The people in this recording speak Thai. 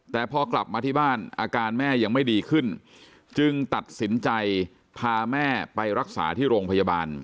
แต่พอกลับมาที่บ้านอาการแม่ยังไม่ดีขึ้นจึงตัดสินใจพาแม่ไปรักษาที่โรงพยาบาล